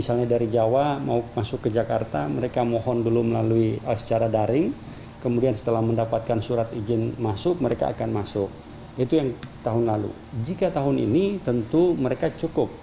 kantor lurah atau kantor desa setempat untuk minta diberikan surat izin keluar masuk